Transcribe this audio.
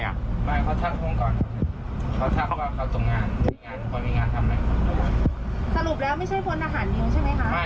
ไม่เขาทักห้องก่อนเขาทักว่าเขาส่งงานมีงานคนมีงานทำไม